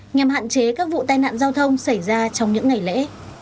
nhằm hạn chế các vụ tai nạn giao thông xảy ra trong những ngày lễ